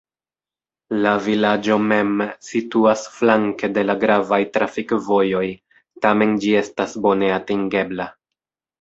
La vilaĝo mem situas flanke de la gravaj trafikvojoj, tamen ĝi estas bone atingebla.